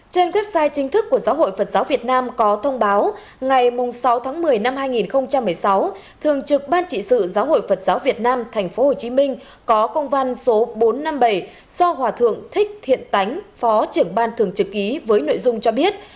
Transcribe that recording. trên website chính thức của giáo hội phật giáo việt nam có thông báo ngày sáu tháng một mươi năm hai nghìn một mươi sáu thường trực ban trị sự giáo hội phật giáo việt nam tp hcm có công văn số bốn trăm năm mươi bảy do hòa thượng thích thiện tánh phó trưởng ban thường trực ký với nội dung cho biết